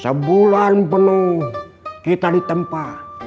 sebulan penuh kita ditempa